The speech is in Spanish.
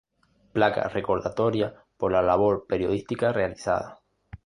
Placa recordatoria por la labor periodística realizada.